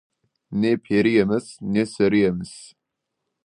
Не пері емес, не сері емес.